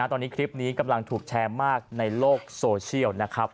ตอนนี้คลิปนี้กำลังถูกแชร์มากในโลกโซเชียลนะครับ